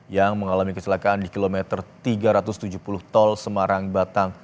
yang mengalami kecelakaan di kilometer tiga ratus tujuh puluh tol semarang batang